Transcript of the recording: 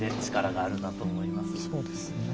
そうですね。